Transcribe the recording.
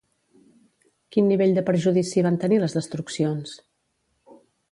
Quin nivell de perjudici van tenir les destruccions?